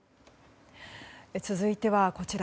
続いてはこちら。